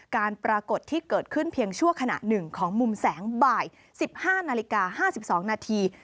ปรากฏที่เกิดขึ้นเพียงชั่วขณะ๑ของมุมแสงบ่าย๑๕นาฬิกา๕๒นาที